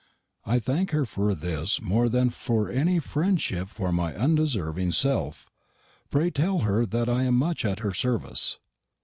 I thank her for this more than for any frendshipp for my undeserving self. Pray tell her that I am much at her servise.